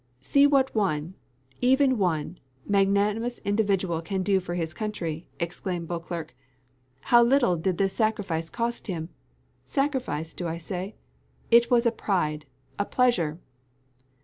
_" "See what one, even one, magnanimous individual can do for his country," exclaimed Beauclerc. "How little did this sacrifice cost him! Sacrifice do I say? it was a pride a pleasure."